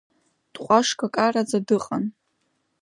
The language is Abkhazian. Дҟәашкакараӡа дыҟан.